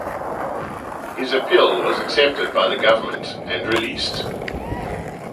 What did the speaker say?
His appeal was accepted by the government and released.